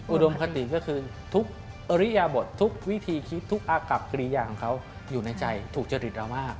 อุดมคติก็คือทุกอริยบททุกวิธีคิดทุกอากับกริยาของเขาอยู่ในใจถูกจริตเรามาก